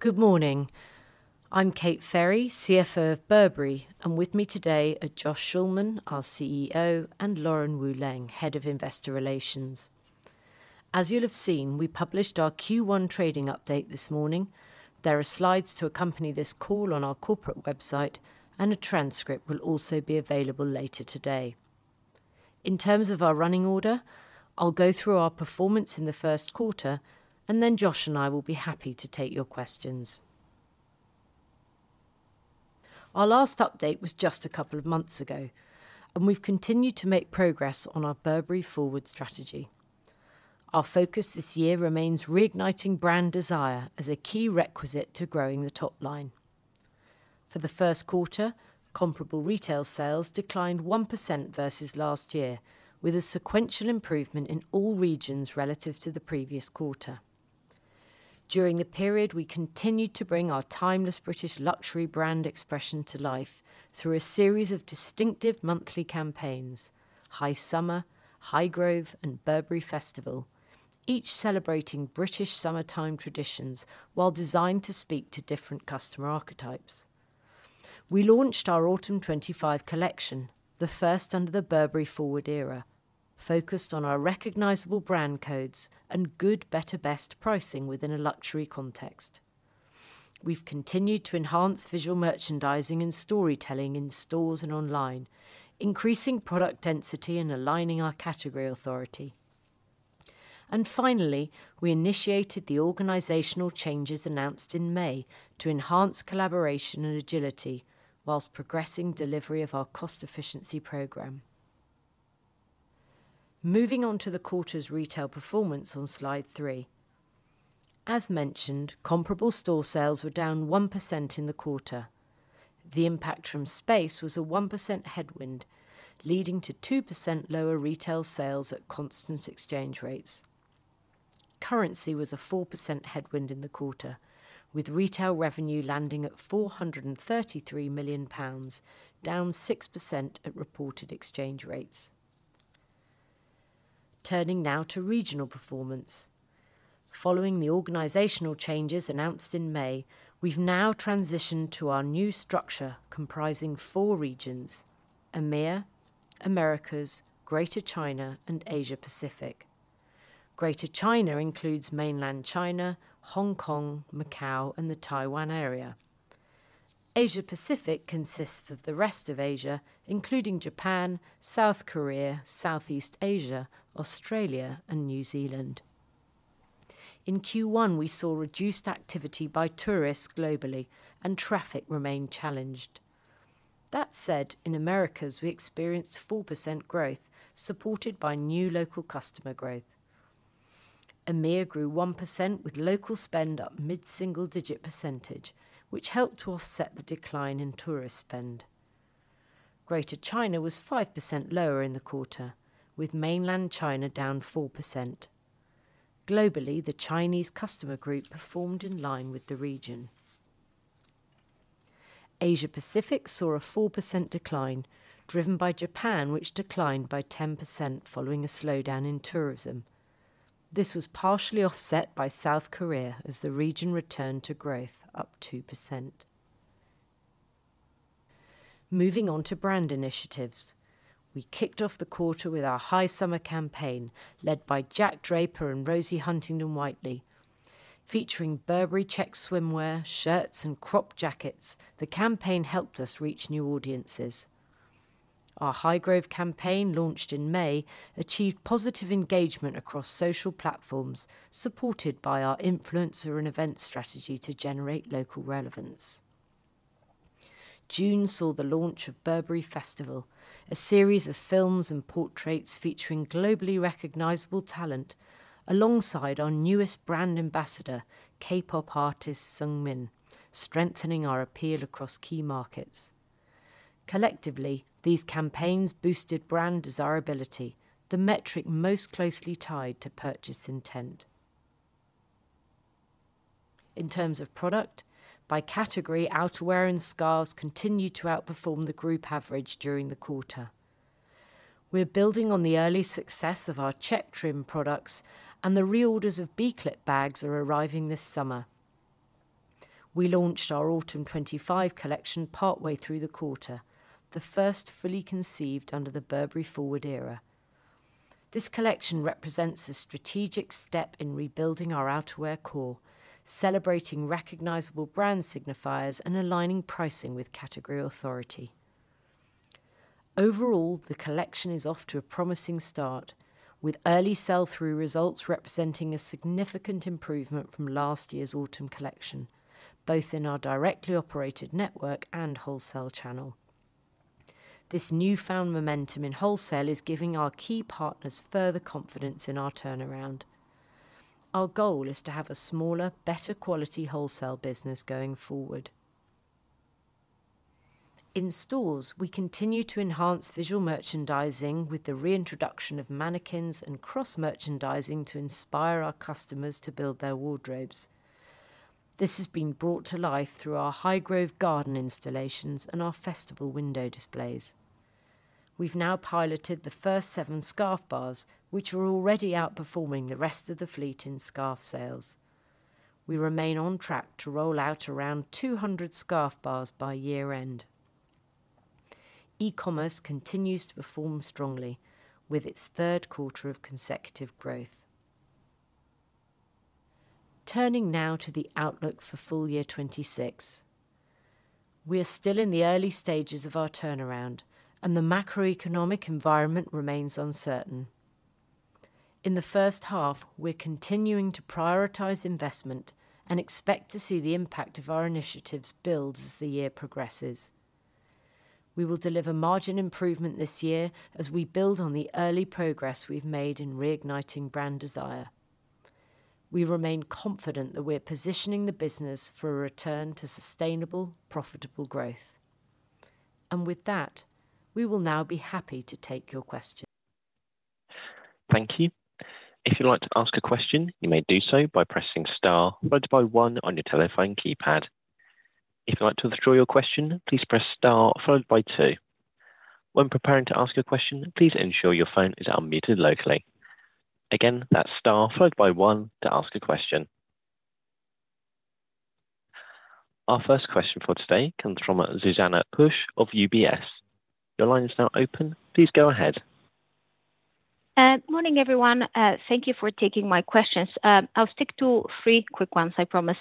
Good morning, I'm Kate Ferry, CFO of Burberry, and with me today are Josh Schulman, our CEO, and Lauren Wu Leng, Head of Investor Relations. As you'll have seen, we published our Q1 trading update this morning. There are slides to accompany this call on our corporate website, and a transcript will also be available later today. In terms of our running order, I'll go through our performance in the first quarter, and then Josh and I will be happy to take your questions. Our last update was just a couple of months ago, and we've continued to make progress on our Burberry Forward strategy. Our focus this year remains reigniting brand desire as a key requisite to growing the top line. For the first quarter, comparable retail sales declined 1% versus last year, with a sequential improvement in all regions relative to the previous quarter. During the period, we continued to bring our timeless British luxury brand expression to life through a series of distinctive monthly campaigns: High Summer, Highgrove, and Burberry Festival, each celebrating British summertime traditions. While designed to speak to different customer archetypes, we launched our Autumn 25 collection, the first under the Burberry Forward era, focused on our recognisable brand codes and good, better, best pricing within a luxury context. We've continued to enhance visual merchandising and storytelling in stores and online, increasing product density and aligning our category authority. Finally, we initiated the organizational changes announced in May to enhance collaboration and agility whilst progressing delivery of our cost efficiency program. Moving on to the quarter's retail performance on Slide 3, as mentioned, comparable store sales were down 1% in the quarter. The impact from space was a 1% headwind, leading to 2% lower retail sales at constant exchange rates. Currency was a 4% headwind in the quarter, with retail revenue landing at 433 million pounds, down 6% at reported exchange rates. Turning now to regional performance, following the organisational changes announced in May, we've now transitioned to our new structure comprising four: EMEIA, Americas, Greater China, and Asia Pacific. Greater China includes Mainland China, Hong Kong, Macau, and the Taiwan area. Asia Pacific consists of the rest of Asia, including Japan, South Korea, Southeast Asia, Australia, and New Zealand. In Q1, we saw reduced activity by tourists globally, and traffic remained challenged. That said, in Americas we experienced 4% growth supported by new local customer growth. EMEIA grew 1% with local spend up mid single digit % which helped to offset the decline in tourist spend. Greater China was 5% lower in the quarter, with Mainland China down 4%. Globally, the Chinese customer group performed in line with the region. Asia Pacific saw a 4% decline driven by Japan, which declined by 10% following a slowdown in tourism. This was partially offset by South Korea as the region returned to growth, up 2%. Moving on to brand initiatives, we kicked off the quarter with our High Summer campaign led by Jack Draper and Rosie Huntington-Whiteley. Featuring Burberry Check swimwear shirts and crop jackets, the campaign helped us reach new audiences. Our Highgrove campaign, launched in May, achieved positive engagement across social platforms, supported by our influencer and event strategy to generate local relevance. June saw the launch of Burberry Festival, a series of films and portraits featuring globally recognizable talent alongside our newest brand ambassador, K-pop artist Seungmin, strengthening our appeal across key markets. Collectively, these campaigns boosted brand desirability, the metric most closely tied to purchase intent in terms of product by category. Outerwear and scarves continued to outperform the group average during the quarter. We're building on the early success of our Check Trim products and the reorders of B clip bags are arriving this summer. We launched our Autumn 25 collection partway through the quarter, the first fully conceived under the Burberry Forward era. This collection represents a strategic step in rebuilding our outerwear core, celebrating recognizable brand signifiers and aligning pricing with category authority. Overall, the collection is off to a promising start with early sell-through results representing a significant improvement from last year's Autumn collection, both in our directly operated network and wholesale channel. This newfound momentum in wholesale is giving our key partners further confidence in our turnaround. Our goal is to have a smaller, better quality wholesale business going forward. In stores, we continue to enhance visual merchandising with the reintroduction of mannequins and cross merchandising to inspire our customers to build their wardrobes. This has been brought to life through our Highgrove Garden installations and our festival window displays. We've now piloted the first seven scarf bars, which are already outperforming the rest of the fleet in scarf sales. We remain on track to roll out around 200 scarf bars by year end. E-commerce continues to perform strongly with its third quarter of consecutive growth. Turning now to the outlook for full year 2026, we are still in the early stages of our turnaround, and the macroeconomic environment remains uncertain in the first half. We're continuing to prioritize investment and expect to see the impact of our initiatives build as the year progresses. We will deliver margin improvement this year as we build on the early progress we've made in reigniting brand desire. We remain confident that we are positioning the business for a return to sustainable, profitable growth. With that, we will now be happy to take your question. Thank you. If you'd like to ask a question, you may do so by pressing star followed by one on your telephone keypad. If you'd like to withdraw your question, please press star followed by two. When preparing to ask a question, please ensure your phone is unmuted locally. Again, that's star followed by one to ask a question. Our first question for today comes from Zuzanna Pusz of UBS. Your line is now open. Please go ahead. Morning everyone. Thank you for taking my questions. I'll stick to three quick ones, I promise.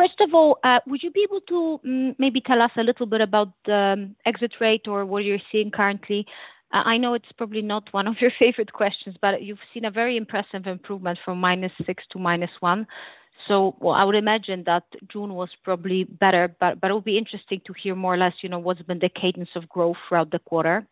First of all, would you be able to maybe tell us a little bit about the exit rate or what you're seeing currently? I know it's probably not one of your favorite questions, but you've seen a very impressive improvement from -6% to -1%. I would imagine that June was probably better, but it would be interesting to hear more or less what's been the cadence of growth throughout the quarter.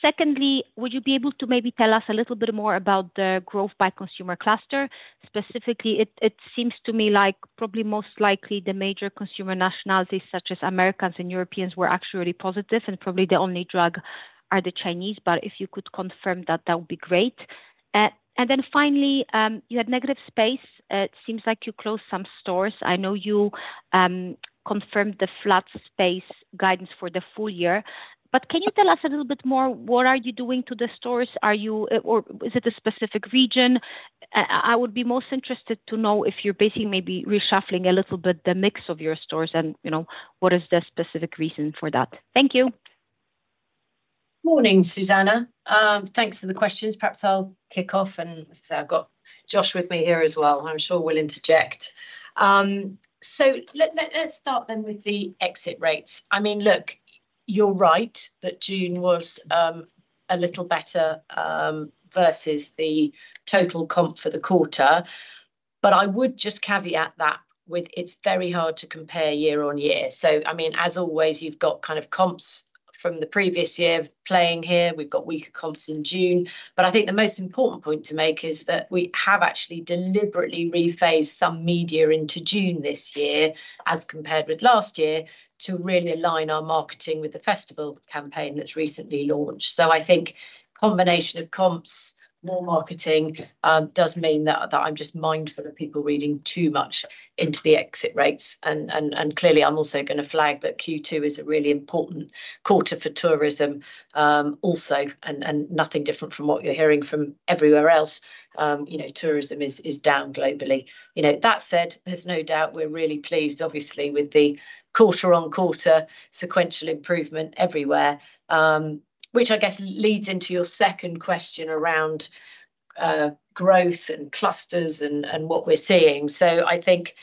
Secondly, would you be able to maybe tell us a little bit more about the growth by consumer cluster specifically? It seems to me like probably most likely the major consumer nationalities such as Americans and Europeans were actually really positive and probably the only drag are the Chinese. If you could confirm that, that would be great. Finally, you had negative space. It seems like you closed some stores. I know you confirmed the flat space guidance for the full year, but can you tell us a little bit more? What are you doing to the stores? Is it a specific region? I would be most interested to know if you're basically maybe reshuffling a little bit the mix of your stores and, you know, what is the specific reason for that. Thank you. Morning, Zuzanna. Thanks for the questions. Perhaps I'll kick off and I've got Josh with me here as well. I'm sure we'll interject. Let's start then with the exit rates. You're right that June was a little better versus the total comp for the quarter. I would just caveat that with it's very hard to compare year on year. As always, you've got kind of comps from the previous year playing here. We've got weaker comps in June. I think the most important point to make is that we have actually deliberately rephased some media into June this year as compared with last year to really align our marketing with the festival campaign that's recently launched. I think combination of comps, more marketing does mean that I'm just mindful of people reading too much into the exit rates. I'm also going to flag that Q2 is a really important quarter for tourism. Nothing different from what you're hearing from everywhere else. Tourism is down globally. That said, there's no doubt we're really pleased obviously with the quarter on quarter sequential improvement everywhere, which I guess leads into your second question around growth and clusters and what we're seeing. I think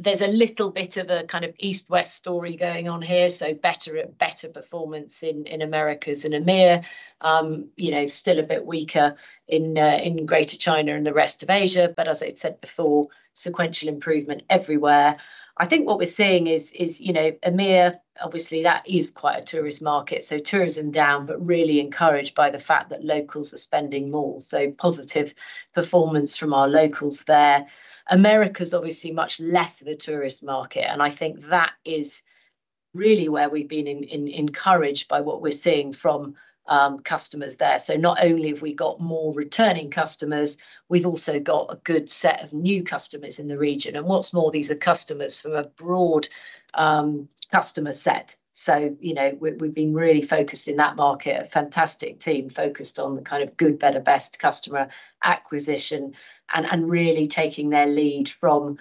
there's a little bit of a kind of east west story going on here. Better performance in Americas and EMEIA, still a bit weaker in Greater China and the rest of Asia. As I said before, sequential improvement everywhere. What we're seeing is EMEIA, obviously that is quite a tourist market. Tourism down but really encouraged by the fact that locals are spending more. Positive performance from our locals there. Americas obviously much less of a tourist market and I think that is really where we've been encouraged by what we're seeing from customers there. Not only have we got more returning, we've also got a good set of new customers in the region. What's more, these are customers from a broad customer set. We've been really focused in that market, a fantastic team, focused on the kind of good, better, best customer acquisition and really taking their lead from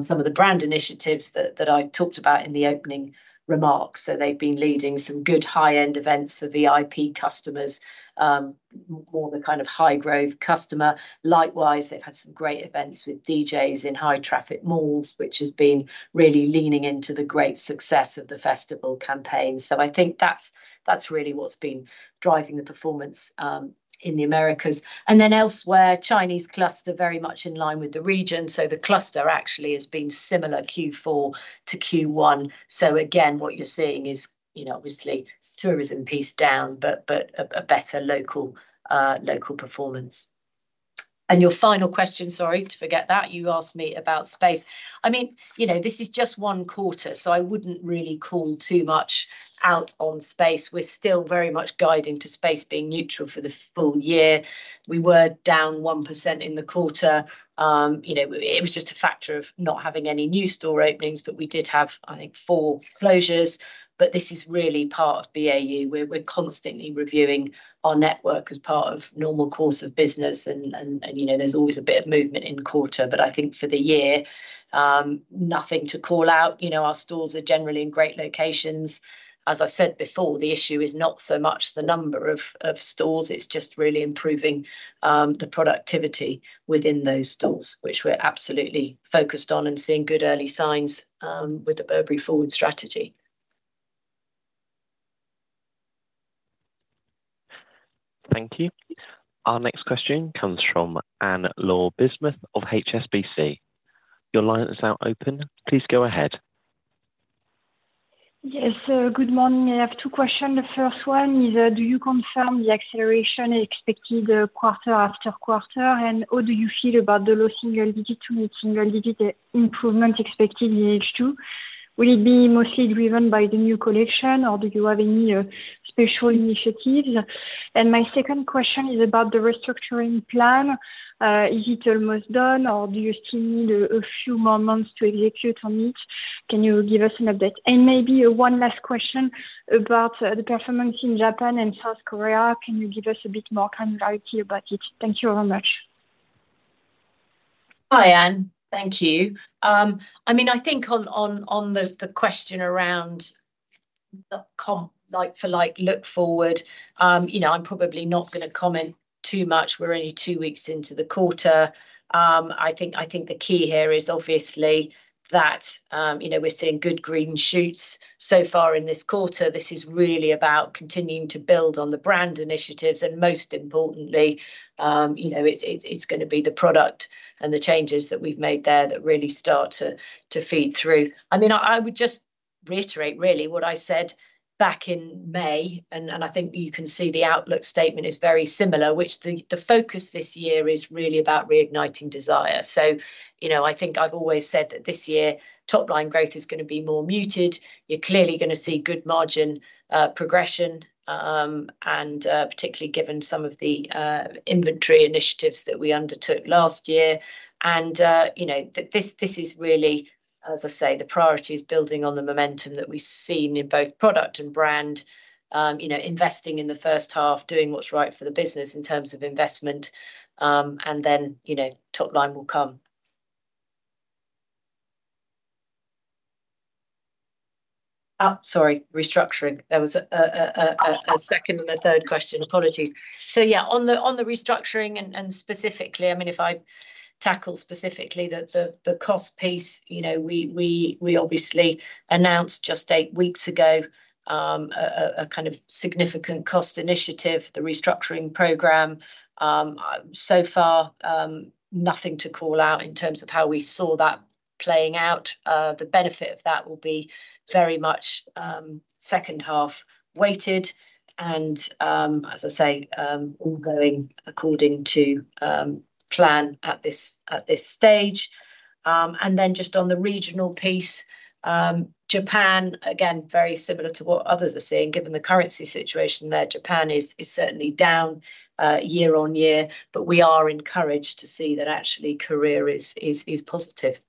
some of the brand initiatives that I talked about in the opening remarks. They've been leading some good high end events for VIP customers, more the kind of high growth customer. Likewise, they've had some great events with DJs in high traffic malls, which has been really leaning into the great success of the Festival campaign. I think that's really what's been driving the performance in the Americas and then elsewhere. Chinese cluster very much in line with the region. The cluster actually has been similar Q4 to Q1. What you're seeing is, obviously, tourism piece down but a better local performance. Your final question, sorry to forget that you asked me about space. This is just one quarter, so I wouldn't really call too much out on space. We're still very much guiding to space being neutral for the full year. We were down 1% in the quarter. It was just a factor of not having any new store openings, but we did have, I think, four closures. This is really part of BAU, constantly reviewing our network as part of normal course of business, and there's always a bit of movement in quarter, but I think for the year, nothing to call out. Our stores are generally in great locations. As I've said before, the issue is not so much the number of stores, it's just really improving the productivity within those stores, which we're absolutely focused on and seeing good early signs with the Burberry Forward strategy. Thank you. Our next question comes from Anne-Laure Bismuth of HSBC. Your line is now open. Please go ahead. Yes, good morning. I have two questions. The first one is do you confirm the acceleration expected quarter after quarter, and how do you feel about the low single digit to mid single digit improvement expected in H2? Will it be mostly driven by the new collection, or do you have any special initiatives? My second question is about the restructuring plan. Is it almost done, or do you still need a few more months to execute on it? Can you give us an update, and maybe one last question about the performance in Japan and South Korea? Can you give us a bit more clarity about it? Thank you very much. Hi Anne. Thank you. I mean, I think on the question around like for like look forward, you know, I'm probably not going to comment too much. We're only two weeks into the quarter. I think the key here is obviously that, you know, we're seeing good green shoots so far in this quarter. This is really about continuing to build on the brand initiatives and most importantly, you know, it's going to be the product and the change that we've made there that really start to feed through. I would just reiterate really what I said back in May. I think you can see the outlook statement is very similar which the focus this year is really about reigniting desire. I think I've always said that this year top line growth is going to be more muted. You're clearly going to see good margin progression and particularly given some of the inventory initiatives that we undertook last year. This is really, really, as I say, the priority is building on the momentum that we've seen in both product and brand. You know, investing in the first half, doing what's right for the business in terms of investment and then, you know, top line will come. Oh, sorry, restructuring. There was a second and a third question. Apologies. On the restructuring and specifically, I mean if I tackle specifically the cost piece, you know, we obviously announced just eight weeks ago a kind of significant cost initiative, the restructuring program. So far, nothing to call out in terms of how we saw that playing out, the benefit of that will be very much second half weighted and as I say, all going according to plan at this stage. Just on the regional piece, Japan, again, very similar to what others are seeing, given the currency situation there. Japan is certainly down year on year, but we are encouraged to see that actually Korea is positive.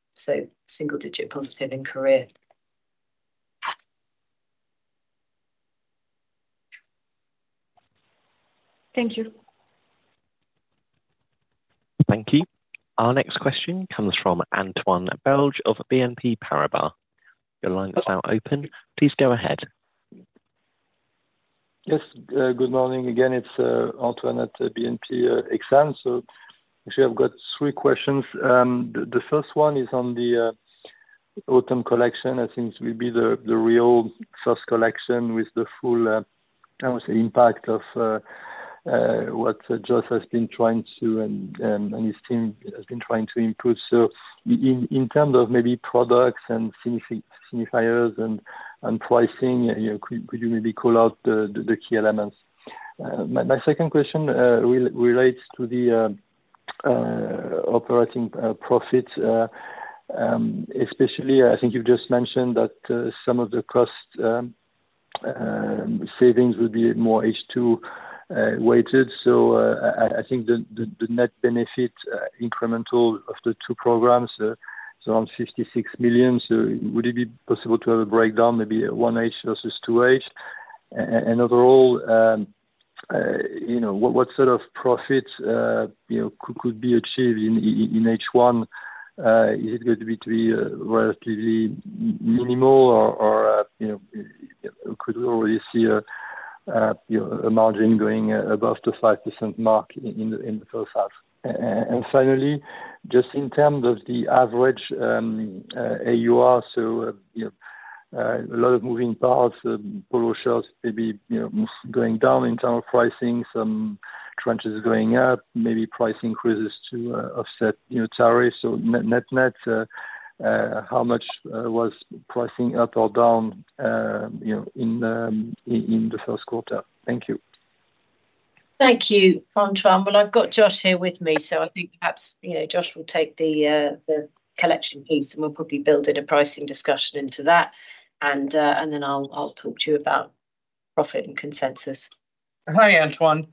Single digit positive in Korea. Thank you. Thank you. Our next question comes from Antoine Belge of BNP Paribas. Your line is now open. Please go ahead. Yes, good morning again. It's Antoine at BNP Exane. Actually, I've got three questions. The first one is on the Autumn collection. I think it will be the real first collection with the full impact of what Joshua and his team have been trying to input. In terms of maybe products and signifiers and pricing, could you maybe call out the key elements? My second question relates to the operating profit especially. I think you've just mentioned that some of the cost savings would be more H2 weighted. I think the net benefit incremental of the two programs is 56 million. Would it be possible to have a breakdown, maybe H1 versus H2, and overall, what sort of profits could be achieved in H1? Is it going to be relatively minimal or could we already see a margin going above the 5% mark in the first half? Finally, just in terms of the average AUR, a lot of moving parts, Polo shares maybe going down in terms of pricing, some trench coats going up, maybe price increases to offset tariffs or net. Net, how much was pricing up or down in the first quarter? Thank you. Thank you, Antoine. I've got Josh here with me, so I think perhaps, you know, Josh will take the collection piece and we'll probably build in a pricing discussion into that, and then I'll talk to you about profit and consensus. Hi, Antoine.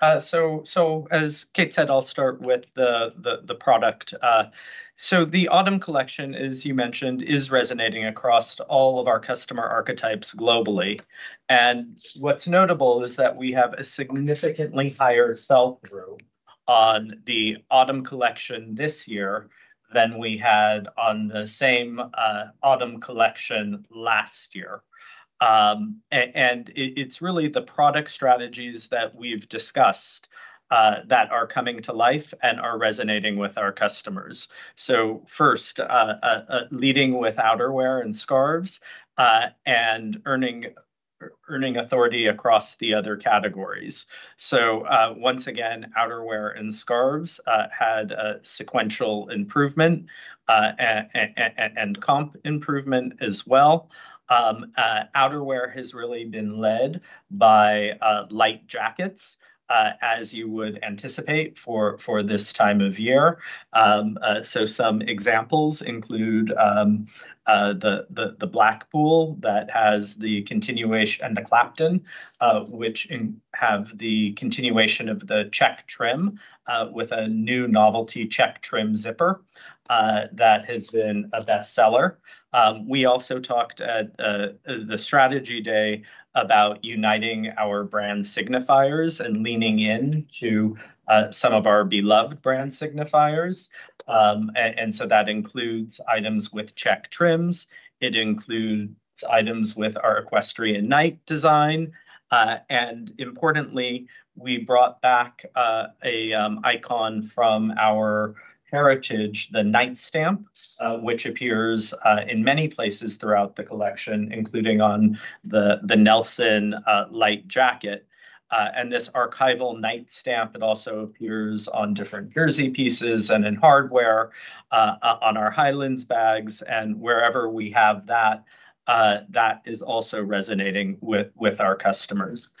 As Kate said, I'll start with the product. The Autumn collection, as you mentioned, is resonating across all of our customer archetypes globally. What's notable is that we have a significantly higher sell-through on the Autumn collection this year than we had on the same autumn collection last year. It's really the product strategies that we've discussed that are coming to life and are resonating with our customers. First, leading with outerwear and scarves and earning authority across the other categories. Once again, outerwear and scarves had sequential improvement and comp improvement as well. Outerwear has really been led by light jackets, as you would anticipate for this time of year. Some examples include the Blackpool, that has the continuation, and the Clapton, which have the continuation of the check trim with a new novelty check trim zipper that has been a bestseller. We also talked at the strategy day about uniting our brand signifiers and leaning in to some of our beloved brand signifiers. That includes items with check trims, items with our Equestrian Knight design. Importantly, we brought back an icon from our heritage, theK stamp, which appears in many places throughout the collection, including on the Nelson light jacket and this archival Knight stamp. It also appears on different jersey pieces and in hardware on our Highlands bags and wherever we have that, that is also resonating with our customers.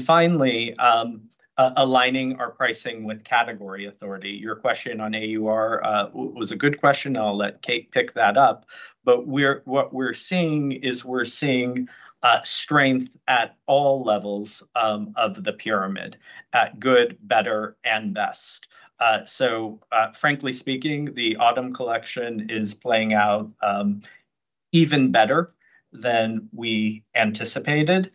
Finally, aligning our pricing with category authority. Your question on AUR was a good question. I'll let Kate pick that up. What we're seeing is we're seeing strength at all levels of the pyramid, at good, better, and best. Frankly speaking, the Autumn collection is playing out even better than we anticipated.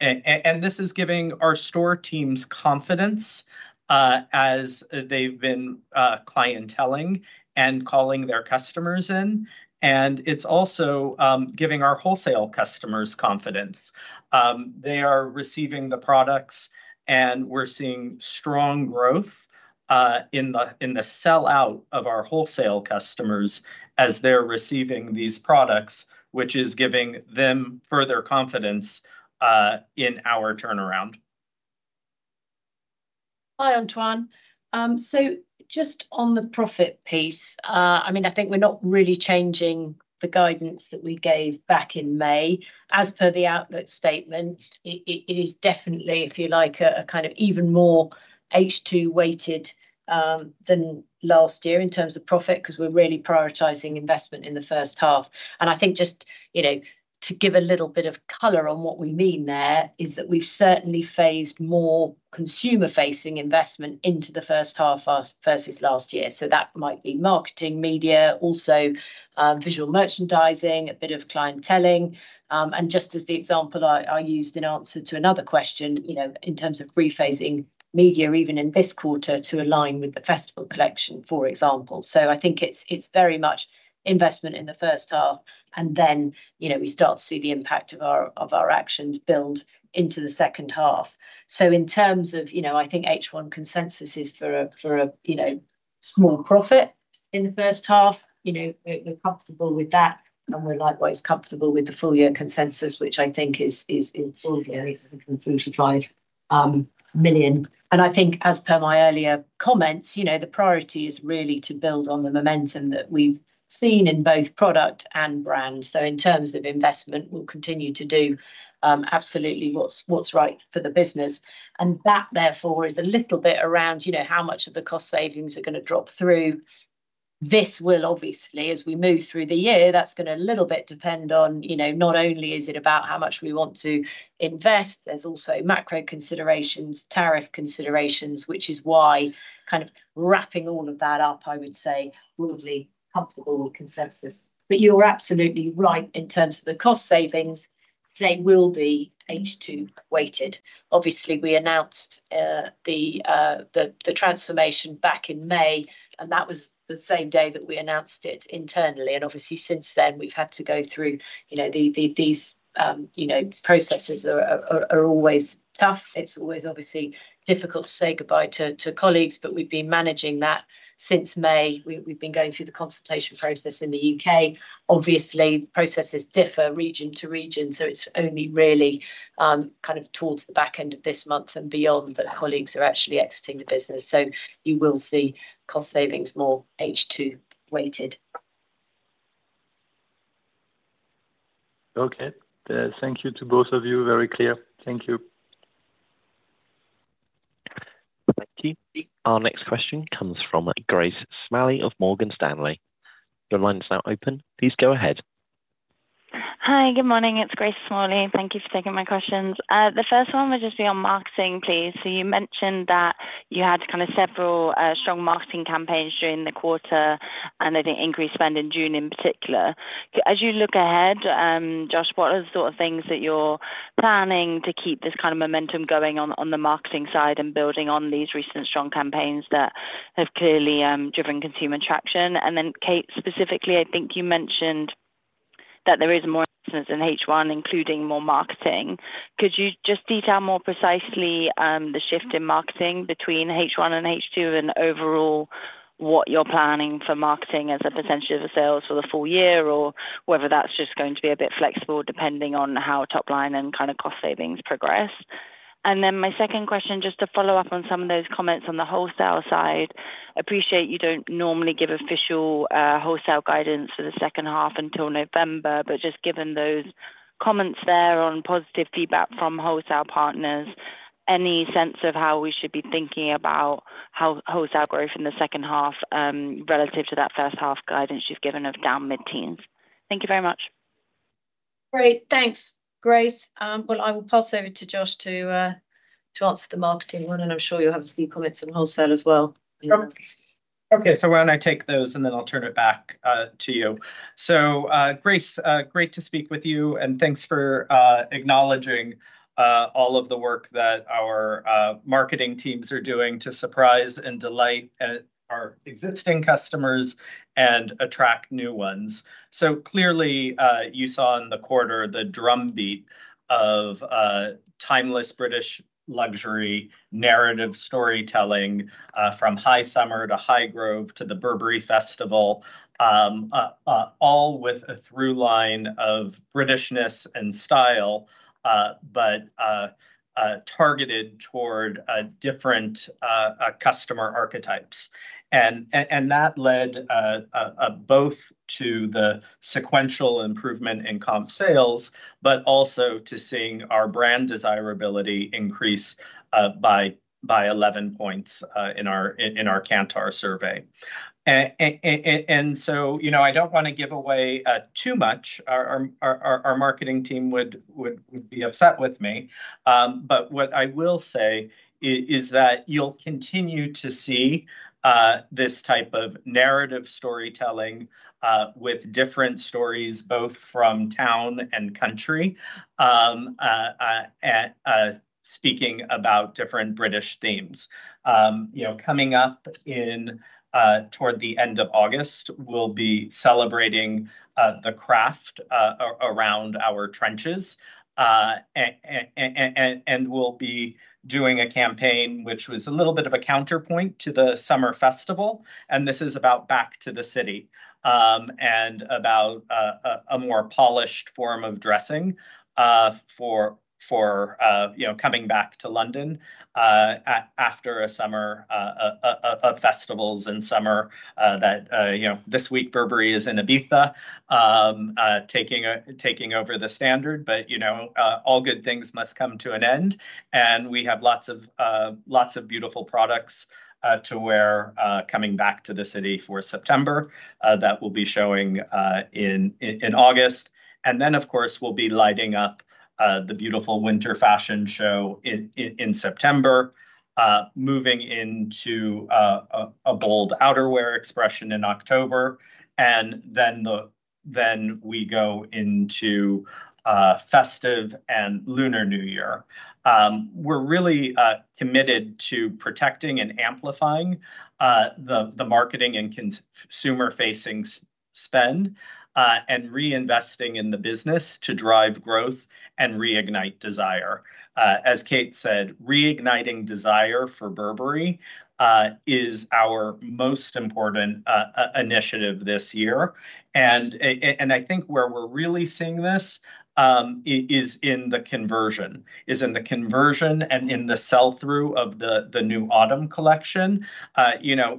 This is giving our store teams confidence as they've been clientelling and calling their customers in. It's also giving our wholesale customers confidence they are receiving the products. We're seeing strong growth in the sellout of our wholesale customers as they're receiving these products, which is giving them further confidence in our turnaround. Hi, Antoine. Just on the profit piece, I mean, I think we're not really changing the guidance that we gave back in May as per the outlook statement. It is definitely, if you like, a kind of even more H2 weighted than last year in terms of profit because we're really prioritizing investment in the first half. I think just to give a little bit of color on what we mean, there is that we've certainly phased more consumer-facing investment into the first half versus last year. That might be marketing media, also visual merchandising, a bit of clientelling. Just as the example I used in answer to another question in terms of rephasing media even in this quarter to align with the Burberry Festival collection, for example. I think it's very much investment in the first half and then we start to see the impact of our actions build into the second half. In terms of H1 consensus, it is for a small profit in the first half, we're comfortable with that and we're likewise comfortable with the full year consensus, which I think is million. As per my earlier comments, the priority is really to build on the momentum that we've seen in both product and brand. In terms of investment, we'll continue to do absolutely what's right for the business. That therefore is a little bit around how much of the cost savings are going to drop through. This will obviously, as we move through the year, depend a little bit on not only how much we want to invest, there are also macro considerations, tariff considerations, which is why wrapping all of that up, I would say we will be comfortable with consensus. You're absolutely right. In terms of the cost savings, they will be H2 weighted. Obviously, we announced the transformation back in May and that was the same day that we announced it internally. Obviously, since then we've had to go through these processes, which are always tough. It's always difficult to say goodbye to colleagues. We've been managing that since May. We've been going through the consultation process in the UK. Obviously, processes differ region to region. It's only really towards the back end of this month and beyond that colleagues are actually exiting the business. You will see cost savings more H2 weighted. Okay, thank you to both of you. Very clear. Thank you. Our next question comes from Grace Smalley of Morgan Stanley. Your line is now open. Please go ahead. Hi, good morning, it's Grace Smalley. Thank you for taking my questions. The first one would just be on marketing, please. You mentioned that you had kind of several strong marketing campaigns during the quarter and I think increased spend in June in particular. As you look ahead, Josh, what are the sort of things that you're planning to keep this kind of momentum going on the marketing side and building on these recent strong campaigns that have clearly driven consumer traction. Kate, specifically I think you mentioned that there is more than H1, including more marketing. Could you just detail more precisely the shift in marketing between H1 and H2 and overall what you're planning for marketing as a percentage of sales for the full year, or whether that's just going to be a bit flexible, depending on how top line and kind of cost savings progress. My second question, just to follow up on some of those comments on the wholesale side, appreciate you don't normally give official wholesale guidance for the second half until November, but just given those comments there on positive feedback from wholesale partners, any sense of how we should be thinking about wholesale growth in the second half relative to that first half, half guidance you've given of down mid teens. Thank you very much. Great. Thanks, Grace. I will pass over to Josh to answer the marketing one, and I'm sure you'll have a few comments on wholesale as well. Okay, why don't I take those and then I'll turn it back to you. Grace, great to speak with you and thanks for acknowledging all of the work that our marketing teams are doing to surprise and delight our existing customers and attract new ones. Clearly you saw in the quarter the drumbeat of timeless British luxury narrative storytelling from High Summer to Highgrove to the Burberry Festival, all with a through line of Britishness and style, but targeted toward different customer archetypes. That led both to the sequential improvement in comp sales, but also to seeing our brand desirability increase by 11 points in our Kantar survey. I don't want to give away too much. Our marketing team would be upset with me. What I will say is that you'll continue to see this type of narrative storytelling with different stories both from town and country, speaking about different British themes. Coming up toward the end of August, we'll be celebrating the craft around our trenches and we'll be doing a campaign which was a little bit of a counterpoint to the summer festival. This is about Back to the City and about a more polished form of dressing for coming back to London after a summer of festivals. This week Burberry is in Ibiza taking over the Standard. All good things must come to an end and we have lots of beautiful products to wear coming back to the city for September that we'll be showing in August. Of course, we'll be lighting up the beautiful winter fashion show in September, moving into a bold outerwear expression in October. We go into festive and Lunar New Year. We're really committed to protecting and amplifying the marketing and consumer-facing spend and reinvesting in the business to drive growth and reignite desire. As Kate said, reigniting desire for Burberry is our most important initiative this year. I think where we're really seeing this is in the conversion and in the sell-through of the new Autumn collection.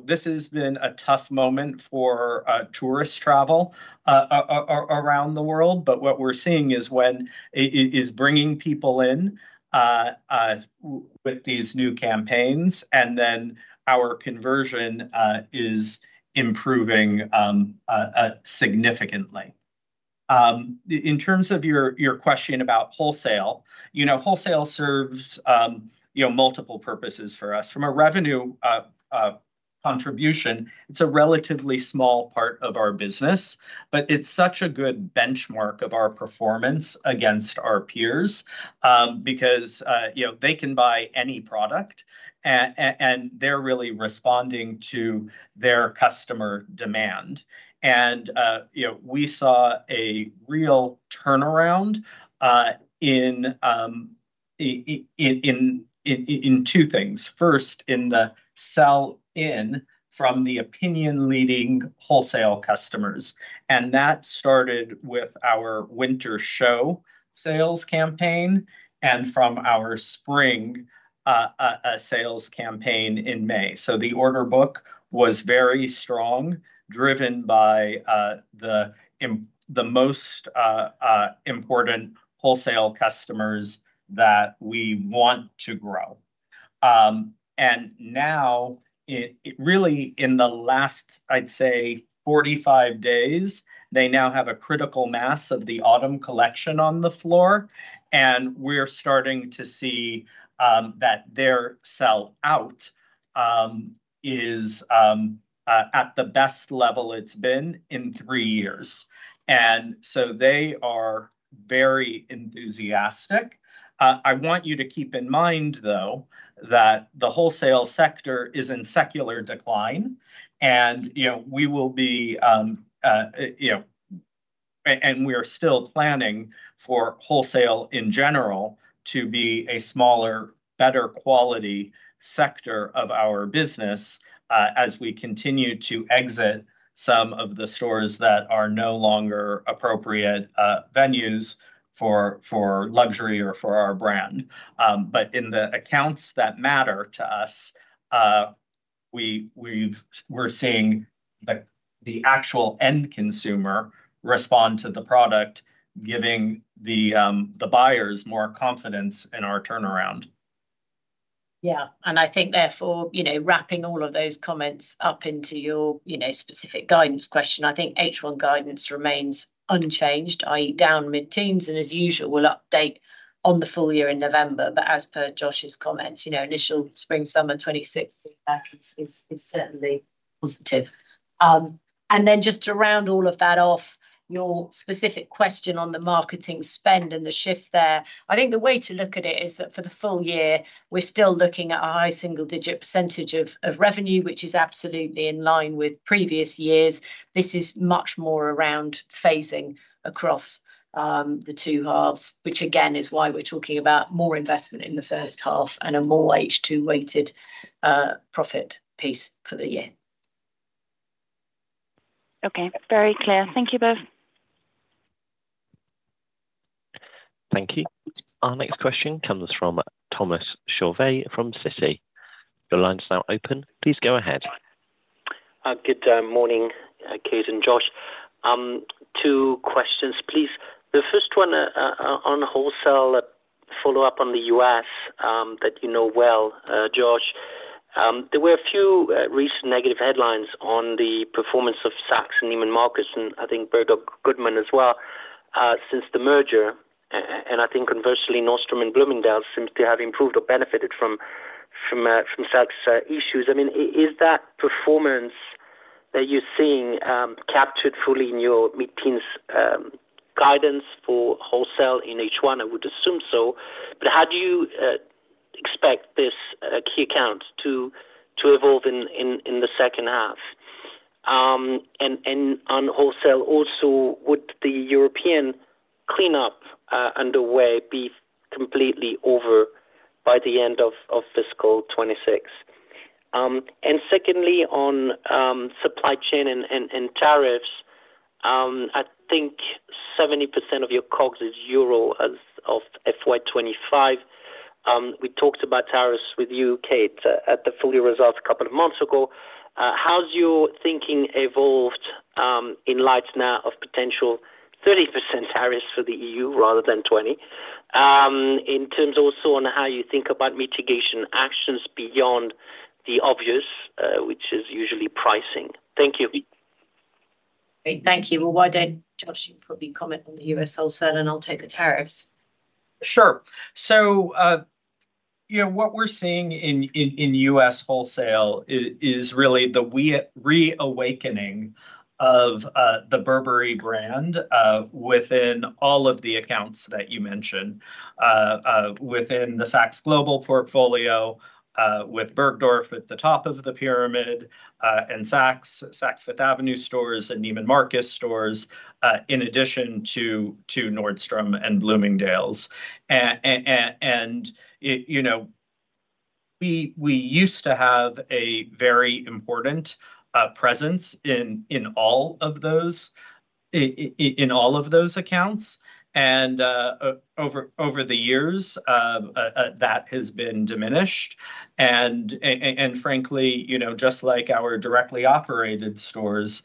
This has been a tough moment for tourist travel around the world, but what we're seeing is bringing people in with these new campaigns and then our conversion is improving significantly. In terms of your question about wholesale, wholesale serves multiple purposes for us from a revenue contribution. It's a relatively small part of our business, but it's such a good benchmark of our performance against our peers because, you know, they can buy any product and they're really responding to their customer demand. We saw a real turnaround in two things. First, in the sell in from the opinion leading wholesale customers. That started with our winter show sales campaign and from our spring sales campaign in May. The order book was very strong, driven by the most important wholesale customers that we want to grow. In the last, I'd say, 45 days, they now have a critical mass of the autumn collection on the floor and we're starting to see that their sell out is at the best level it's been in three years. They are very enthusiastic. I want you to keep in mind though that the wholesale sector is in secular decline. We will be, and we are still planning for wholesale in general to be a smaller, better quality sector of our business as we continue to exit some of the stores that are no longer appropriate venues for luxury or for our brand. In the accounts that matter to us, we're seeing the actual end consumer respond to the product, giving the buyers more confidence in our turnaround. Yeah, and I think therefore, you know, wrapping all of those comments up into your specific guidance question, I think H1 guidance remains unchanged, i.e. down mid teens. As usual, we'll update on the full year in November. As per Josh's comments, you know, initial Spring Summer 2026 is certainly positive. Just to round all of that off, your specific question on the marketing spend and the shift there, I think the way to look at it is that for the full year we're still looking at a high single digit percentage of revenue, which is absolutely in line with previous years. This is much more around phasing across the two halves, which again is why we're talking about more investment in the first half and a more H2 weighted profit piece for the year. Okay, very clear. Thank you both. Thank you. Our next question comes from Thomas Chauvet from Citi. Your line's now open. Please go ahead. Good morning, Kate and Josh. Two questions please. The first one on wholesale, follow up on the U.S. that you know well, Josh, there were a few recent negative headlines on the performance of Saks and Neiman Marcus and I think Bergdorf Goodman as well since the merger. I think conversely Nordstrom and Bloomingdale's seem to have improved or benefited from Saks issues. I mean, is that performance that you're seeing captured fully in your mid-teens guidance for wholesale in H1? I would assume so. How do you expect this key account to evolve in the second half? On wholesale also, would the European cleanup underway be completely over by the end of fiscal 2026? Secondly, on supply chain and tariffs, I think 70% of your COGS is euro as of FY 2025. We talked about tariffs with you, Kate, at the full year results a couple of months ago. How's your thinking evolved in light now of potential 30% tariffs for the EU rather than 20% in terms also on how you think about mitigation actions beyond the obvious, which is usually pricing. Thank you. Thank you. Josh, you probably comment on the U.S. wholesale and I'll take the tariffs. Sure. What we're seeing in U.S. wholesale is really the reawakening of the Burberry brand within all of the accounts that you mentioned within the Saks Global portfolio, with Bergdorf at the top of the pyramid and Saks Fifth Avenue stores and Neiman Marcus stores, in addition to Nordstrom and Bloomingdale's. We used to have a very important presence in all of those accounts. Over the years that has been diminished. Frankly, just like our directly operated stores,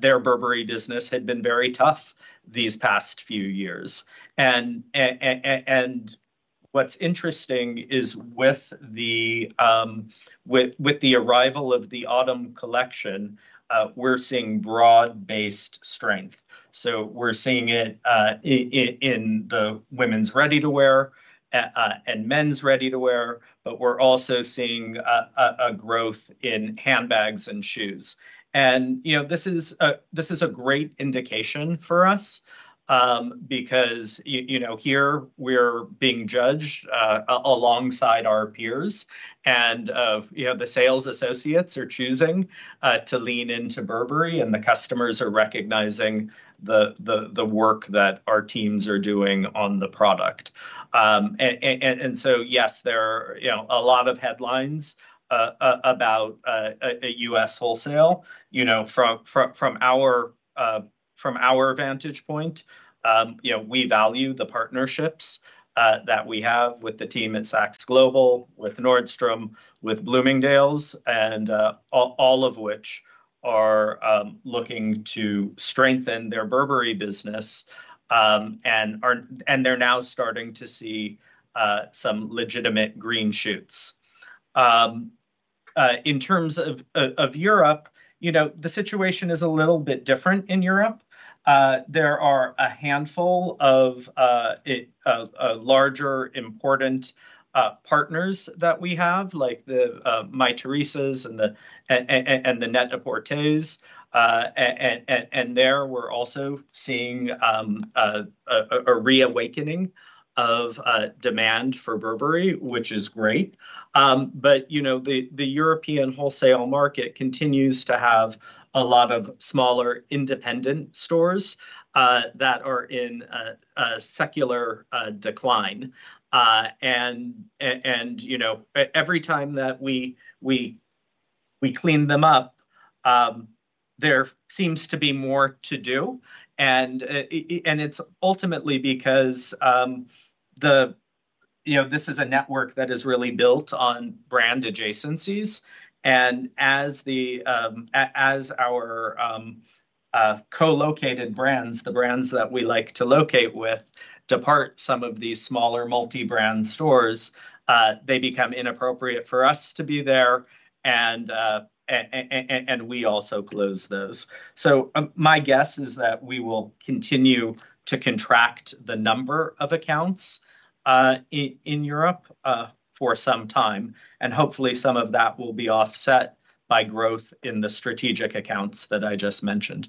their Burberry business had been very tough these past few years. What's interesting is with the arrival of the Autumn collection, we're seeing broad-based strength. We're seeing it in the women's ready to wear and men's ready to wear, but we're also seeing a growth in handbags and shoes. This is a great indication for us because here we're being judged alongside our peers, and the sales associates are choosing to lean into Burberry and the customers are recognizing the work that our teams are doing on the product. Yes, there are a lot of headlines about U.S. wholesale. From our vantage point, we value the partnerships that we have with the team at Saks Global, with Nordstrom, with Bloomingdale's, all of which are looking to strengthen their Burberry business, and they're now starting to see some legitimate green shoots. In terms of Europe, the situation is a little bit different. There are a handful of larger important partners that we have, like the Mytheresa's and the Net-a-Porter's. There we're also seeing a reawakening of demand for Burberry, which is great. The European wholesale market continues to have a lot of smaller independent stores that are in secular decline. Every time that we clean them up, there seems to be more to do. It's ultimately because this is a network that is really built on brand adjacencies. As our co-located brands, the brands that we like to locate with, depart some of these smaller multi-brand stores, they become inappropriate for us to be there and we also close those. My guess is that we will continue to contract the number of accounts in Europe for some time, and hopefully some of that will be offset by growth in the strategic accounts that I just mentioned.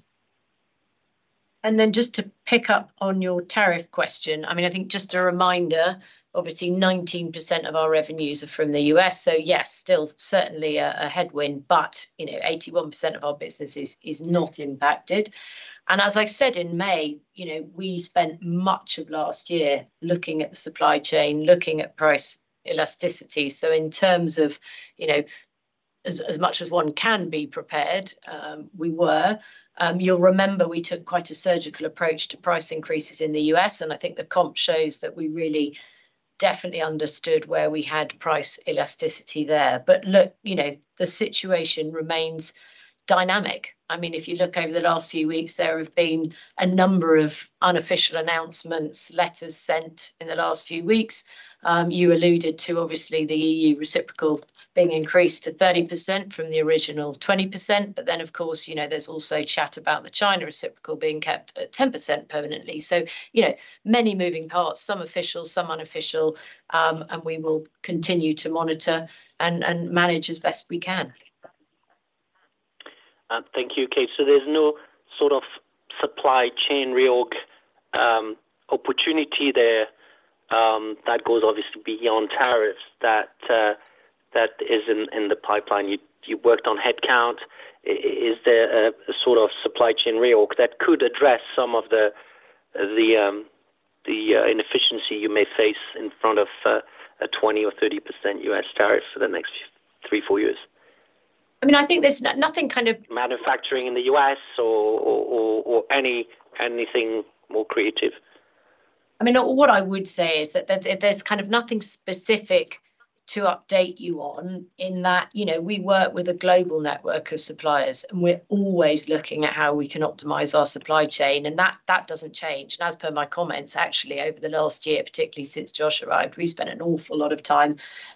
To pick up on your tariff question, I think just a reminder, obviously 19% of our revenues are from the U.S., so yes, still certainly a headwind, but 81% of our business is not impacted. As I said in May, we spent much of last year looking at the supply chain, looking at price elasticity. In terms of as much as one can be prepared, we were. You'll remember, we took quite a surgical approach to price increases in the U.S., and I think the comp shows that we really definitely understood where we had price elasticity there. The situation remains dynamic. If you look over the last few weeks, there have been a number of unofficial announcements, letters sent in the last few weeks. You alluded to the EU reciprocal being increased to 30% from the original 20%. Of course, there's also chat about the China reciprocal being kept at 10% permanently. There are many moving parts, some official, some unofficial, and we will continue to monitor and manage as best we can. Thank you, Kate. There's no sort of supply chain reorg opportunity there that goes obviously beyond tariffs. That is in the pipeline. You worked on headcount. Is there a sort of supply chain reorg that could address some of the inefficiency you may face in front of a 20% or 30% U.S. tariff for the next three or four years? I mean, I think there's nothing kind. Of manufacturing in the U.S. or anything more creative. I mean, what I would say is that there's kind of nothing specific to update you on in that. You know, we work with a global network of suppliers, and we're always looking at how we can optimize our supply chain, and that doesn't change. As per my comments, actually over the last year, particularly since Josh arrived, we spent an awful lot of time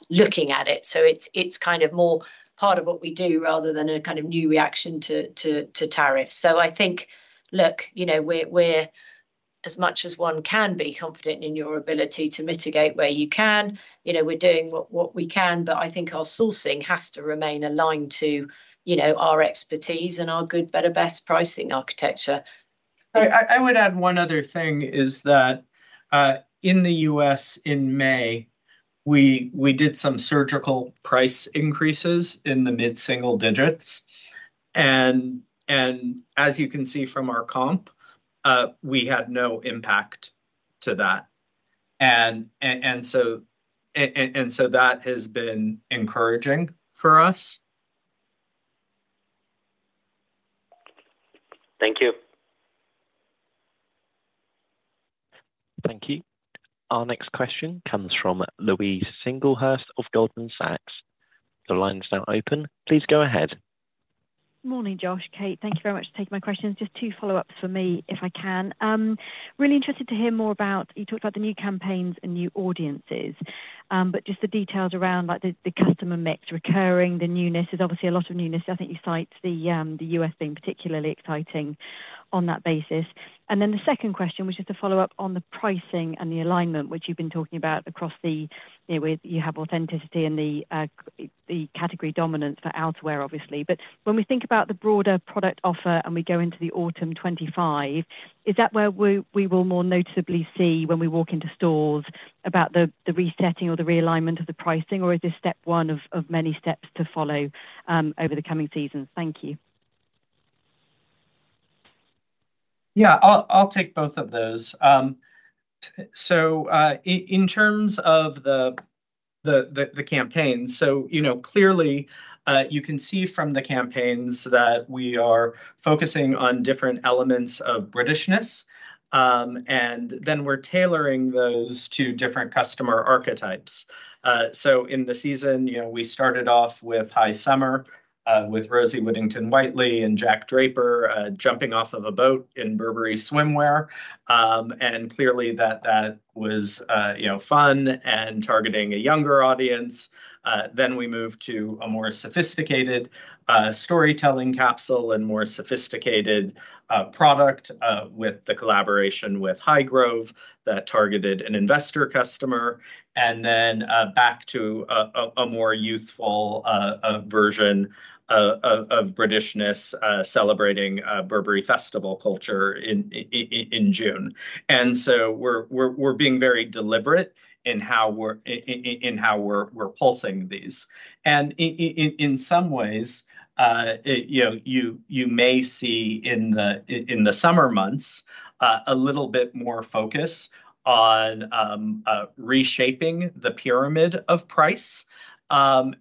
looking at it. It's kind of more part of what we do rather than a new reaction to tariffs. I think we're as much as one can be confident in your ability to mitigate where you can. We're doing what we can. I think our sourcing has to remain aligned to our expertise and our good, better, best pricing architecture. I would add one other thing is that in the U.S. in May, we did some surgical price increases in the mid single digits, and as you can see from our comp, we had no impact to that. That has been encouraging for us. Thank you. Our next question comes from Louise Singlehurst of Goldman Sachs. The line is now open. Please go ahead. Morning, Josh. Kate, thank you very much for taking my questions. Just two follow ups for me if I can. Really interested to hear more about. You talked about the new campaigns and new audiences, but just the details around like the customer mix recurring, the newness. There's obviously a lot of newness. I think you signed the U.S. being particularly exciting on that basis. The second question was just a follow up on the pricing and the alignment which you've been talking about across the way. You have authenticity and the category dominance for outerwear, obviously. When we think about the broader product offer and we go into the Autumn 25, is that where we will more noticeably see when we walk into stores about the resetting or the realignment of the pricing or is this step one of many steps to follow over the coming seasons? Thank you. Yeah, I'll take both of those. In terms of the campaign, you can see from the campaigns that we are focusing on different elements of Britishness and then we're tailoring those to different customer archetypes. In the season, we started off with High Summer with Rosie Huntington-Whiteley and Jack Draper jumping off of a boat in Burberry swimwear. That was fun and targeting a younger audience. We moved to a more sophisticated storytelling capsule and more sophisticated product with the collaboration with Highgrove that targeted an investor customer, and then back to a more youthful version of Britishness celebrating Burberry Festival culture in June. We're being very deliberate in how we're pulsing these, and in some ways you may see in the summer months a little bit more focus on reshaping the pyramid of price and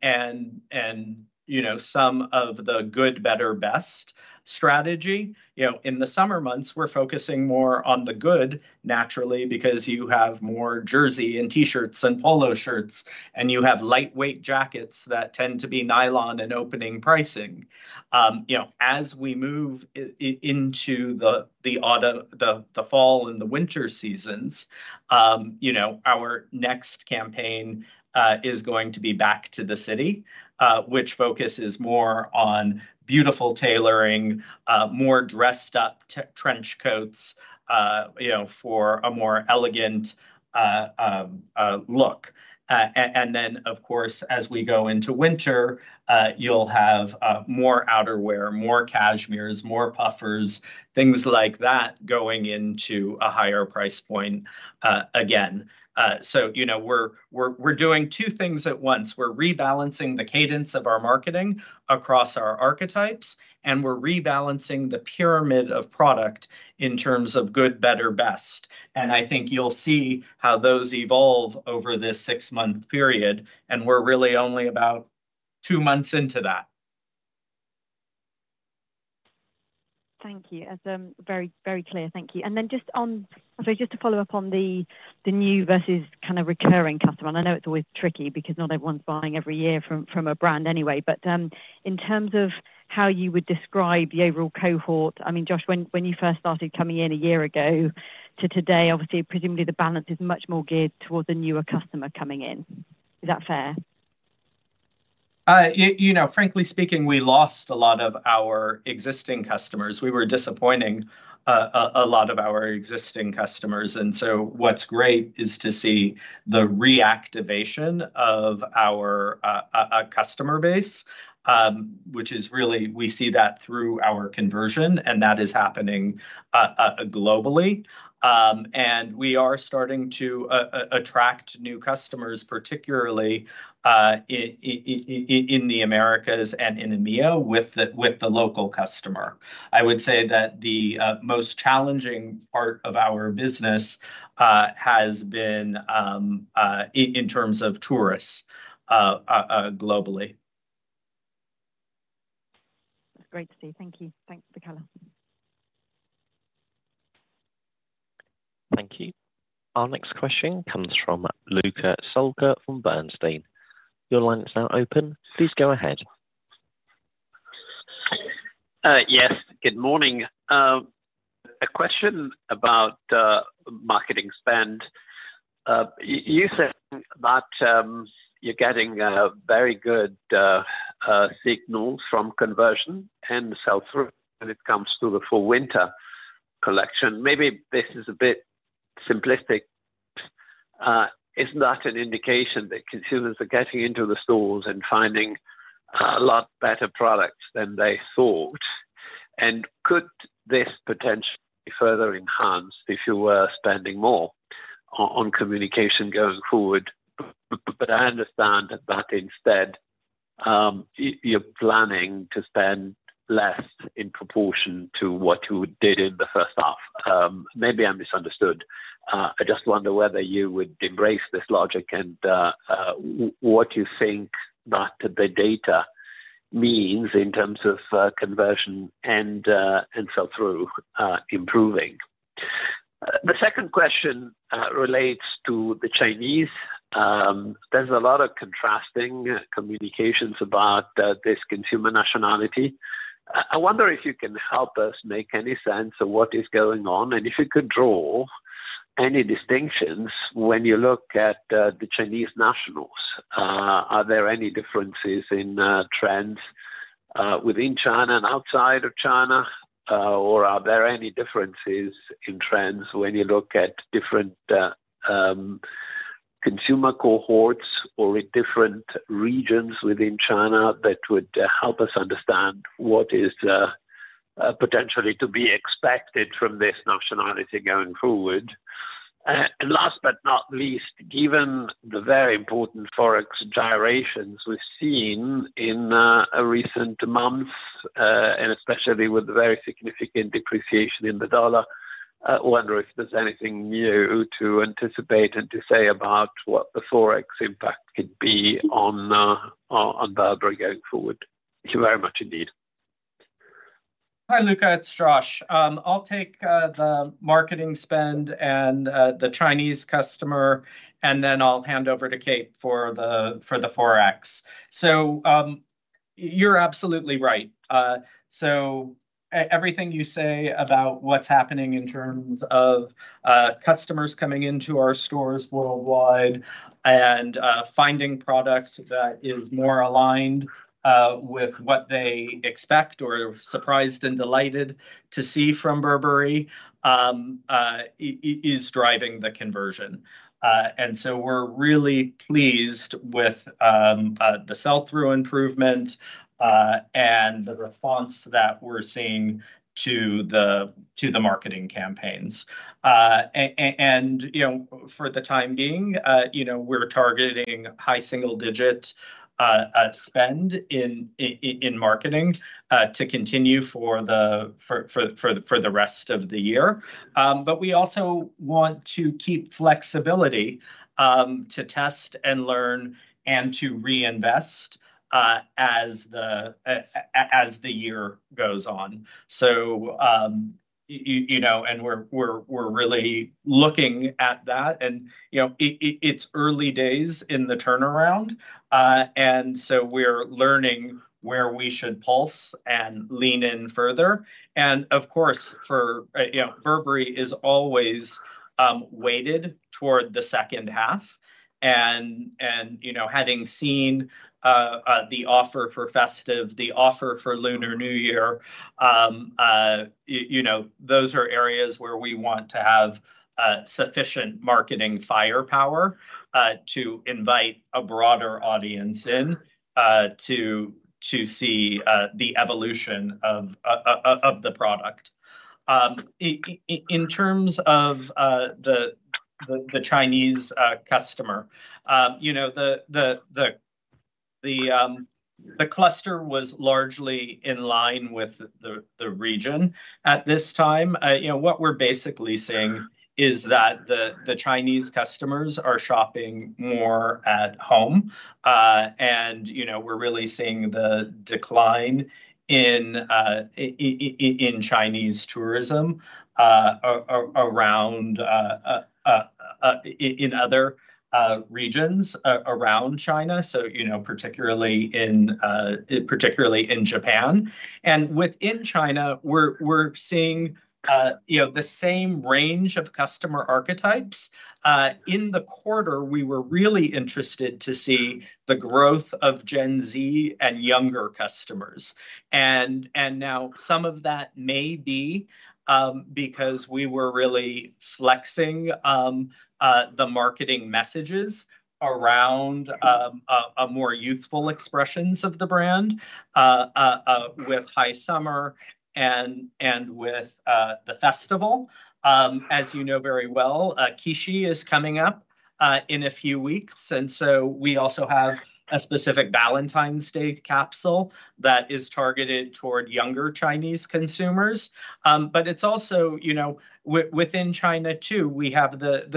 some of the good, better, best strategy. In the summer months, we're focusing more on the good, naturally, because you have more jersey and T-shirts and polo shirts and you have lightweight jackets that tend to be nylon and opening pricing. As we move into the fall and the winter seasons, our next campaign is going to be Back to the City, which focuses more on beautiful tailoring, more dressed up trench coats for a more elegant. Look. As we go into winter, you'll have more outerwear, more cashmeres, more puffers, things like that going into a higher price point again. We're doing two things at once. We're rebalancing the cadence of our marketing across our archetypes, and we're rebalancing the pyramid of product in terms of good, better, best. I think you'll see how those evolve over this six-month period. We're really only about two months into that. Thank you. Very, very clear. Thank you. Just to follow up on the new versus kind of recurring customer, I know it's always tricky because not everyone's buying every year from a brand anyway, but in terms of how you would describe the overall cohort, I mean, Josh, when you first started coming in a year ago to today, obviously, presumably the balance is much more geared towards a newer customer coming in. Is that fair? Frankly speaking, we lost a lot of our existing customers. We were disappointing a lot of our existing customers. What's great is to see the reactivation of our customer base, which is really, we see that through our conversion and that is happening globally. We are starting to attract new customers, particularly in the Americas and in EMEIA with the local customer. I would say that the most challenging part of our business has been in terms of tourists globally. That's great to see. Thank you. Thanks. Thank you. Our next question comes from Luca Solca from Bernstein. Your line is now open. Please go ahead. Yes, good morning. A question about marketing spend. You said that you're getting very good signals from conversion and sell-through when it comes to the fall winter collection. Maybe this is a bit simplistic. Isn't that an indication that consumers are getting into the stores and finding a lot better products than they thought? Could this potentially further enhance if you were spending more on communication going forward? I understand that instead you're planning to spend less in proportion to what you did in the first half. Maybe I misunderstood. I just wonder whether you would embrace this logic and what you think that the data means in terms of conversion and sell-through improving. The second question relates to the Chinese. There's a lot of contrasting communications about this consumer nationality. I wonder if you can help us make any sense of what is going on and if you could draw any distinctions when you look at the Chinese nationals. Are there any differences in trends within China and outside of China or are there any differences in trends when you look at different consumer cohorts or in different regions within China that would help us understand what is potentially to be expected from this nationality going forward? Last but not least, given the very important forex gyrations we've seen in recent months, and especially with the very significant depreciation in the dollar, I wonder if there's anything new to anticipate and to say about what the forex impact could be on Burberry going forward. Thank you very much indeed. Hi Luca, it's Josh. I'll take the marketing spend and the Chinese customer and then I'll hand over to Kate for the forex. You're absolutely right. Everything you say about what's happening in terms of customers coming into our stores worldwide and finding product that is more aligned with what they expect or surprised and delighted to see from Burberry is driving the conversion. We're really pleased with the sell-through improvement and the response that we're seeing to the marketing campaigns. For the time being, we're targeting high single digit spend in marketing to continue for the rest of the year. We also want to keep flexibility to test and learn and to reinvest as the year goes on. We're really looking at that and it's early days in the turnaround and we're learning where we should pulse and lean in further. Of course, Burberry is always weighted toward the second half and having seen the offer for Festive, the offer for Lunar New Year, those are areas where we want to have sufficient marketing firepower to invite a broader audience in to see the evolution of the product. In terms of the Chinese customer. The. Cluster was largely in line with the region at this time. What we're basically seeing is that the Chinese customers are shopping more at home, and we're really seeing the decline in Chinese tourism in other regions around China. Particularly in Japan and within China, we're seeing the same range of customer archetypes in the quarter. We were really interested to see the growth of Gen Z and younger customers, and now some of that may be because we were really flexing the marketing messages around more youthful expressions of the brand with High Summer and with the Festival, as you know very well, Qixi is coming up in a few weeks. We also have a specific Valentine's Day capsule that is targeted toward younger Chinese consumers. It's also, within China too, we have the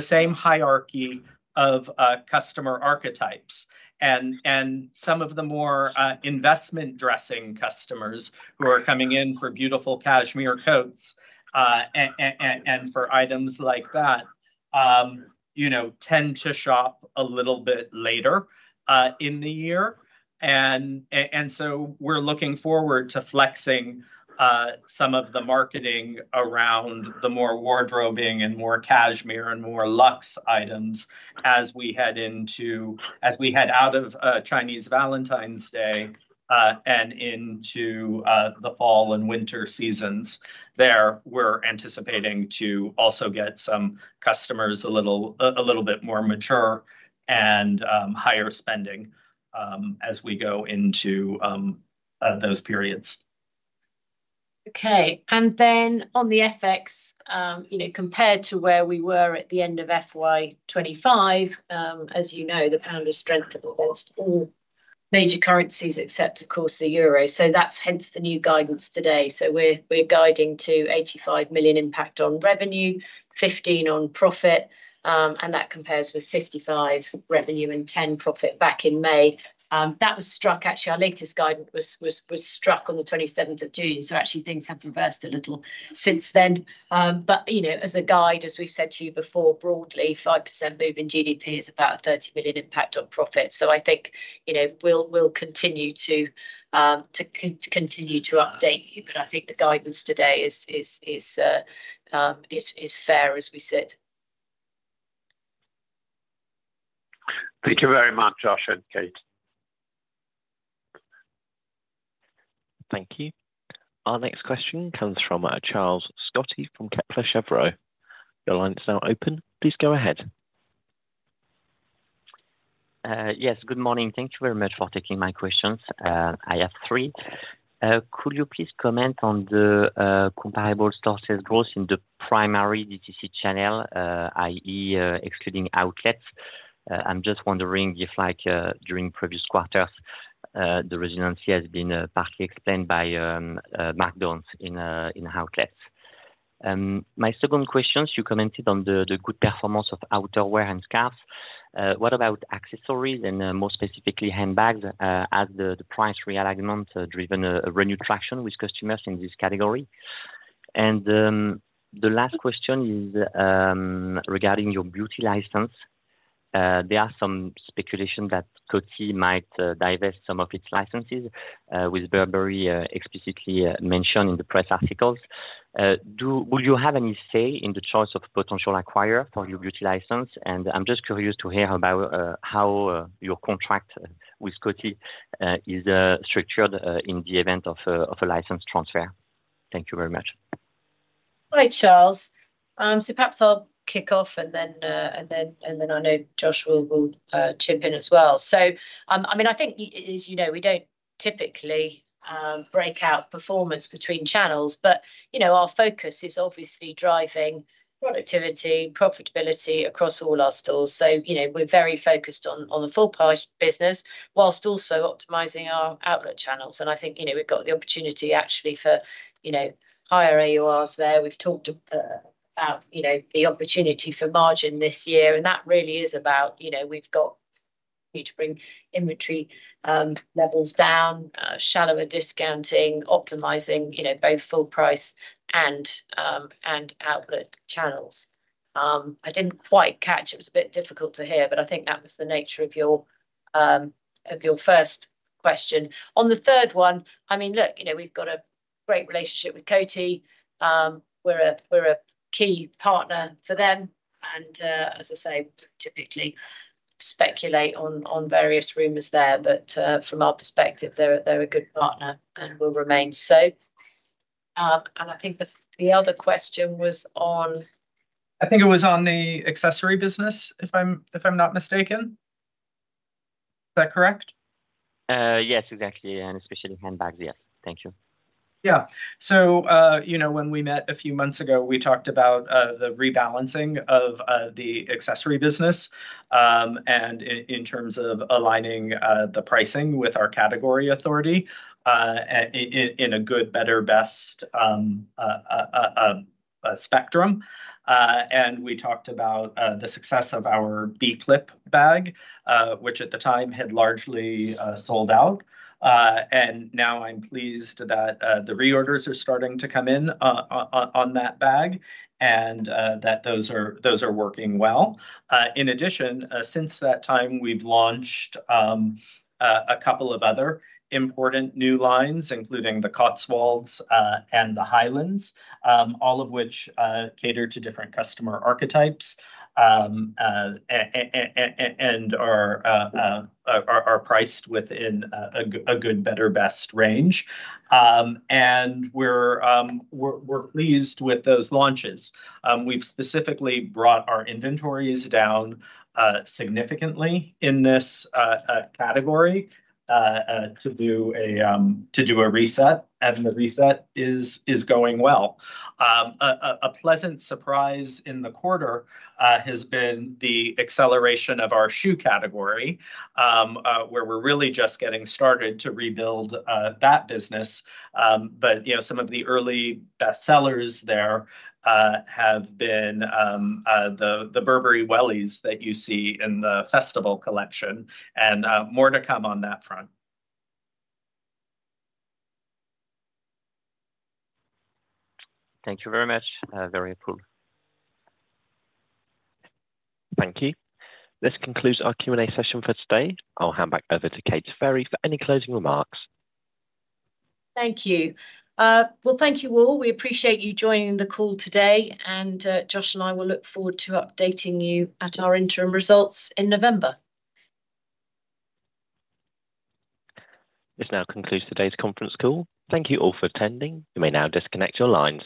same hierarchy of customer archetypes, and some of the more investment dressing customers who are coming in for beautiful cashmere coats and for items like that tend to shop a little bit later in the year. We're looking forward to flexing some of the marketing around the more wardrobeing and more cashmere and more lush items as we head out of Chinese Valentine's Day and into the fall and winter seasons there. We're anticipating to also get some customers a little bit more mature and higher spending as we go into those periods. Okay. On the FX compared to where we were at the end of FY 2025, as you know, the pound has strengthened against all major currencies except, of course, the euro. That's hence the new guidance today. We're guiding to 85 million impact on revenue, 15 million on profit. That compares with 55 million revenue and 10 million profit back in May. That was struck. Actually, our latest guidance was struck on the 27th of June. Actually, things have reversed a little since then. As a guide, as we've said to you before, broadly, a 5% move in GDP is about a 30 million impact on profit. I think we'll continue to update you, but I think the guidance today is fair as we sit. Thank you very much, Josh and Kate. Thank you. Our next question comes from Charles Scotti from Kepler Cheuvreux. Your line is now open. Please go ahead. Yes, good morning. Thank you very much for taking my questions. I have three. Could you please comment on the comparable store sales growth in the primary DTC channel, that is, excluding outlets? I'm just wondering if, like during the previous quarter, the resiliency has been partly explained by markdowns in outlets. My second question, you commented on the good performance of outerwear and scarves. What about accessories, and more specifically, handbags? Has the price realignment driven renewed traction with customers in this category? The last question is regarding your beauty license. There is some speculation that Coty might divest some of its licenses, with Burberry explicitly mentioned in the press articles. Would you have any say in the choice of potential acquirer for your beauty license? I'm just curious to hear about how your contract with Coty is structured in the event of a license transfer. Thank you very much. Hi, Charles. Perhaps I'll kick off and then I know Josh will chip in as well. I think, as you know, we don't typically break out performance between channels, but our focus is obviously driving productivity and profitability across all our stores. We're very focused on the full price business whilst also optimizing our outlet channels. I think we've got the opportunity actually for higher AURs there. We've talked about the opportunity for margin this year and that really is about bringing inventory levels down, shallower discounting, optimizing both full price and outlet channels. I didn't quite catch, it was a bit difficult to hear, but I think that was the nature of your first question. On the third one, we've got a great relationship with Coty. We're a key partner for them and, as I say, typically speculate on various rumors there, but from our perspective, they're a good partner and will remain so. I think the other question. I think it was on the accessory business, if I'm not mistaken. Is that correct? Yes, exactly. Especially handbags. Yes, thank you. Yeah. When we met a few months ago, we talked about the rebalancing of the accessory business in terms of aligning the pricing with our category authority in a good, better, best spectrum. We talked about the success of our B clip bag, which at the time had largely sold out. Now I'm pleased that the reorders are starting to come in on that bag and that those are working well. In addition, since that time, we've launched a couple of other important new lines, including the Cotswolds and the Highlands, all of which cater to different customer archetypes and are priced within a good, better, best range. We're pleased with those launches. We've specifically brought our inventories down significantly in this category to do a reset. The reset is going well. A pleasant surprise in the quarter has been the acceleration of our shoe category, where we're really just getting started to rebuild that business. Some of the early bestsellers there have been the Burberry Wellies that you see in the Festival collection and more to come on that front. Thank you very much. Very helpful. Thank you. This concludes our Q&A session for today. I'll hand back over to Kate Ferry for any closing remarks. Thank you. Thank you all. We appreciate you joining the call today. Josh and I will look forward to updating you at our interim results in November. This now concludes today's conference call. Thank you all for attending. You may now disconnect your lines.